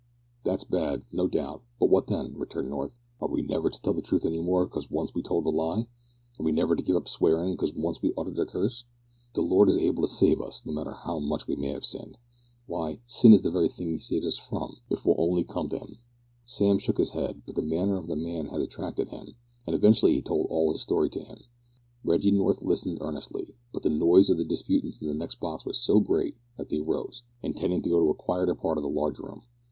"That's bad, no doubt; but what then?" returned North; "are we never to tell the truth any more 'cause once we told a lie? Are we never to give up swearin' 'cause once we uttered a curse? The Lord is able to save us, no matter how much we may have sinned. Why, sin is the very thing He saves us from if we'll only come to Him." Sam shook his head, but the manner of the man had attracted him, and eventually he told all his story to him. Reggie North listened earnestly, but the noise of the disputants in the next box was so great that they rose, intending to go to a quieter part of the large room.